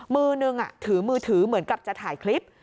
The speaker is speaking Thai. มือนึงถือมือถือเหมือนกับจะถ่ายคลิป